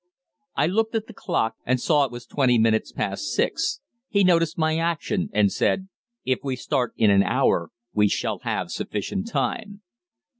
I looked at the clock, and saw it was twenty minutes past six. He noticed my action, and said: "If we start in an hour we shall have sufficient time."